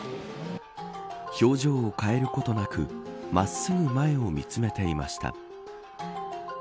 表情を変えることなく真っすぐ前を見つめていました。